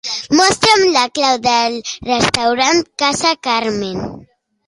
Mostra'm la clau del restaurant Casa Carmen.